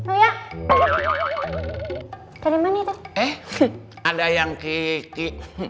eh ada yang kiki